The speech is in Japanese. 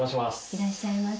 いらっしゃいませ。